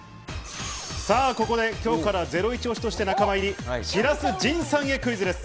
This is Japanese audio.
さぁ、ここで今日からゼロイチ推しとして仲間入り、白洲迅さんへクイズです。